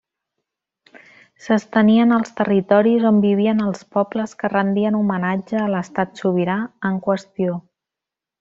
S'estenien als territoris on vivien els pobles que rendien homenatge a l'estat sobirà en qüestió.